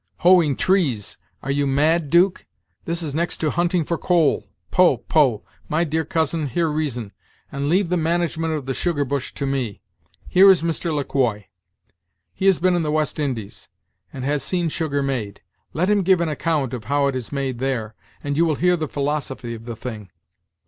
"Hoeing trees! are you mad, 'Duke? This is next to hunting for coal! Poh! poh! my dear cousin, hear reason, and leave the management of the sugar bush to me. Here is Mr. Le Quoi he has been in the West Indies, and has seen sugar made. Let him give an account of how it is made there, and you will hear the philosophy of the thing.